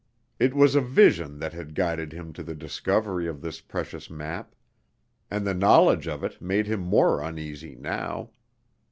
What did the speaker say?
It was a vision that had guided him to the discovery of this precious map, and the knowledge of it made him more uneasy now.